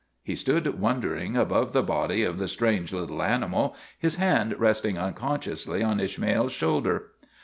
' He stood wondering above the body of the strange little animal, his hand resting unconsciously on Ishmael's shoulder.